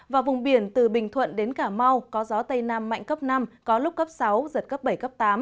và vùng biển từ bình thuận đến cà mau có gió tây nam mạnh cấp năm có lúc cấp sáu giật cấp bảy cấp tám